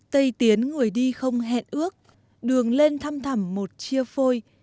tây tiến người đi không hẹn ước đường lên thăm thầm một chia phôi